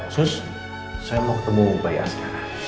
sus saya mau ketemu bayi asli